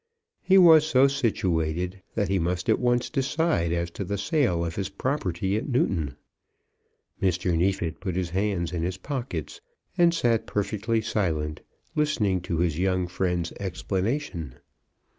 He was so situated that he must at once decide as to the sale of his property at Newton. Mr. Neefit put his hands in his pockets, and sat perfectly silent, listening to his young friend's explanation.